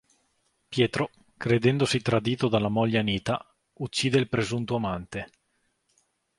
Pietro, credendosi tradito dalla moglie Anita, uccide il presunto amante.